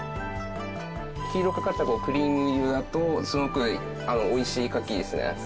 黄色かかったクリーム色だとすごく美味しいカキですね。